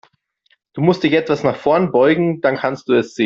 Du musst dich etwas nach vorn beugen, dann kannst du es sehen.